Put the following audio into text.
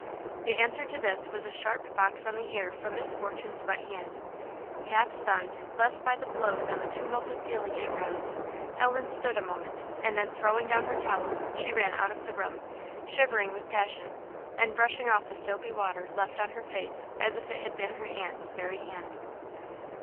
The answer to this was a sharp box on the ear from Miss Fortune's wet hand. Half stunned, less by the blow than the tumult of feeling it roused, Ellen stood a moment, and then throwing down her towel, she ran out of the room, shivering with passion, and brushing off the soapy water left on her face as if it had been her aunt's very hand.